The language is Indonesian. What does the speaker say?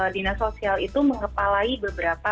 dinas sosial itu mengepalai beberapa